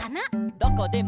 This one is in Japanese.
「どこでも」